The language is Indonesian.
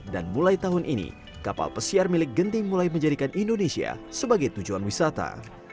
dan mulai tahun ini kapal pesiar milik genting mulai menjadikan indonesia sebagai tujuan wisata